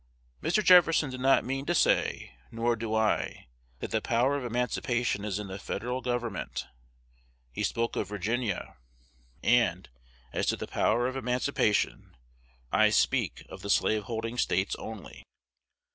Mr. Jefferson did not mean to say, nor do I, that the power of emancipation is in the Federal Government. He spoke of Virginia; and, as to the power of emancipation, I speak of the slaveholding States only.